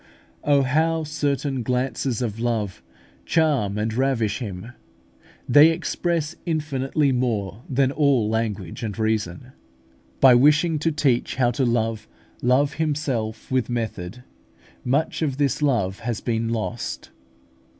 Oh, how certain glances of love charm and ravish Him! They express infinitely more than all language and reason. By wishing to teach how to love Love Himself with method, much of this love has been lost.